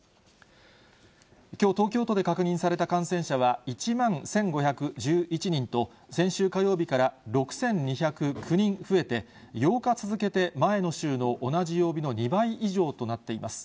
きょう東京都で確認された感染者は、１万１５１１人と、先週火曜日から６２０９人増えて、８日続けて前の週の同じ曜日の２倍以上となっています。